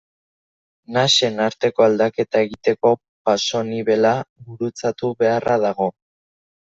Nasen arteko aldaketa egiteko pasonibela gurutzatu beharra dago.